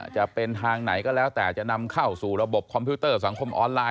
จะเป็นทางไหนก็แล้วแต่จะนำเข้าสู่ระบบคอมพิวเตอร์สังคมออนไลน